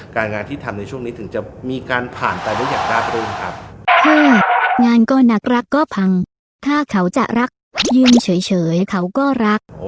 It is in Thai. การงานที่ทำในช่วงนี้ถึงจะมีการผ่านแต่เรื่องอย่างน้าไปด้วยนะครับ